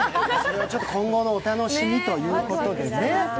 今後のお楽しみということでね。